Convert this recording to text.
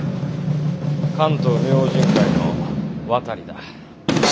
関東明神会の渡だ。